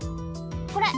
これ。